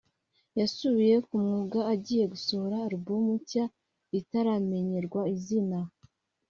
yasubiye ku mwuga agiye gusohora Alubum nshya itaramenyerwa izina